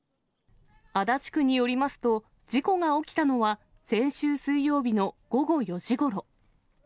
足立区によりますと、事故が起きたのは先週水曜日の午後４時ごろ。